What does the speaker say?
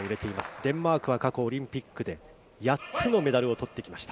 デンマークは過去オリンピックで８つのメダルを取ってきました。